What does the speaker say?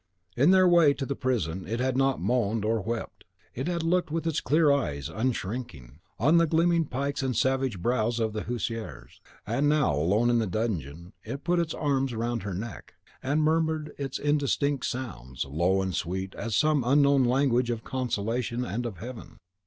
In their way to the prison it had not moaned or wept. It had looked with its clear eyes, unshrinking, on the gleaming pikes and savage brows of the huissiers. And now, alone in the dungeon, it put its arms round her neck, and murmured its indistinct sounds, low and sweet as some unknown language of consolation and of heaven.